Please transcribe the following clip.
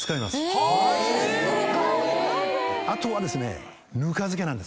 あとはですね。